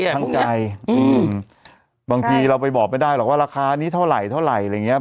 ทั้งใจอืมบางทีเราไปบอกไม่ได้หรอกว่าราคานี้เท่าไหร่เท่าไหร่อะไรอย่างเงี้